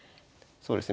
そうですね。